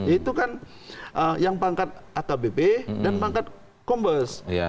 itu kan yang pangkat akbp dan pangkat kombes